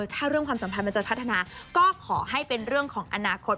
ถ้าเรื่องความสัมพันธ์มันจะพัฒนาก็ขอให้เป็นเรื่องของอนาคต